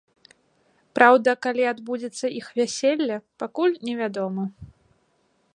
Праўда, калі адбудзецца іх вяселле, пакуль невядома.